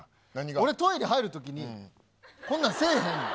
俺、トイレ入るときに、こんなせえへんの。